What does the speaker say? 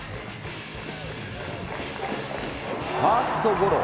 ファーストゴロ。